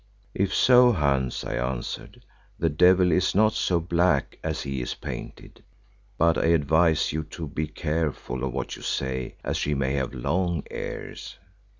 "If so, Hans," I answered, "the devil is not so black as he is painted. But I advise you to be careful of what you say as she may have long ears."